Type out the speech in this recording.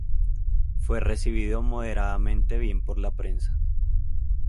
Fue recibido moderadamente bien por la prensa.